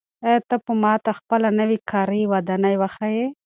آیا ته به ماته خپله نوې کاري ودانۍ وښایې؟